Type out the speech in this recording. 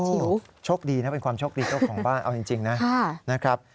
โอ้โหโชคดีนะเป็นความโชคดีเจ้าของบ้านเอาจริงนะครับ